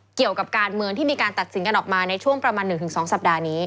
เกี่ยวกับการเมืองที่มีการตัดสินกันออกมาในช่วงประมาณ๑๒สัปดาห์นี้